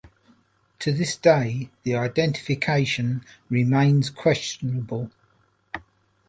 To this day, the identification remains questionable.